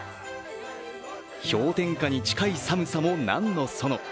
氷点下に近い寒さも何のその。